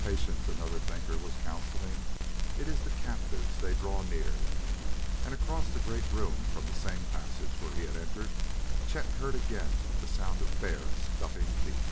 "Patience!" another thinker was counseling. "It is the captives; they draw near." And across the great room, from the same passage where he had entered, Chet heard again the sound of bare, scuffing feet.